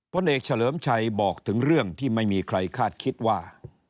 ผลเอกเฉลิมชัยบอกถึงเรื่องที่ไม่มีใครคาดคิดว่า